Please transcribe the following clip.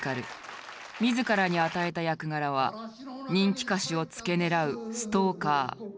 自らに与えた役柄は人気歌手を付け狙うストーカー。